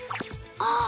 あ！